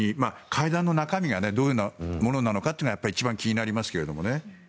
会談の中身がどういうようなものなのかがやっぱり一番気になりますけどね。